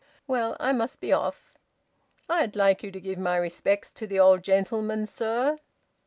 "Well, I must be off!" "I'd like you to give my respects to the old gentleman, sir."